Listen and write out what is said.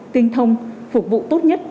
tinh thông phục vụ tốt nhất